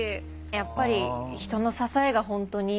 やっぱり人の支えが本当に。